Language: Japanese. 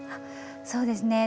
そうですね